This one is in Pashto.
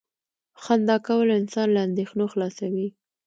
• خندا کول انسان له اندېښنو خلاصوي.